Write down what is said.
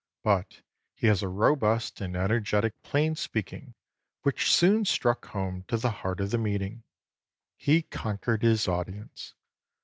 But he has a robust and energetic plain speaking which soon struck home to the heart of the meeting. He conquered his audience.